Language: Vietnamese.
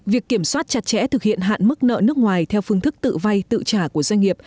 việc kiểm soát chặt chẽ thực hiện hạn mức nợ nước ngoài theo phương thức tự vay tự trả của doanh nghiệp